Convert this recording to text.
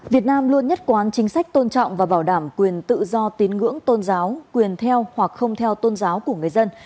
việt nam luôn nhất quán chính sách tôn trọng và bảo đảm quyền tự do tín ngưỡng tôn giáo quyền theo hoặc không theo tôn giáo của người dân